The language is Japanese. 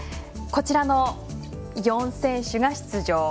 こちらの４選手が出場。